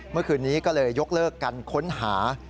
เมื่อคืนนี้ก็เลยยกเลิกการค้นหา